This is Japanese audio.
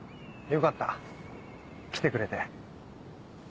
よかった来てくれて。